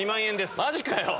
マジかよ。